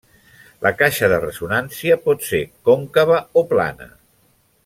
La caixa de ressonància pot ser còncava o plana.